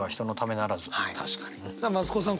増子さん